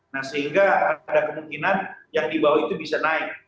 nah sehingga ada kemungkinan yang dibawa itu bisa naik